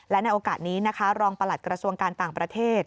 และในโอกาสนี้นะคะรองประหลัดกระทรวงการต่างประเทศ